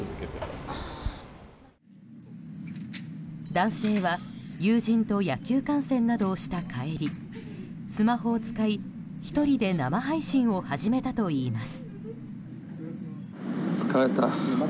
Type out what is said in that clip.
男性は友人と野球観戦などをした帰りスマホを使い、１人で生配信を始めたといいます。